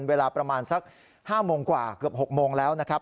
เวลาประมาณสัก๕โมงกว่าเกือบ๖โมงแล้วนะครับ